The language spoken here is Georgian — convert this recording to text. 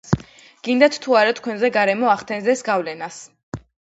გინდათ თუ არა, თქვენზე გარემო ახდენს გავლენას.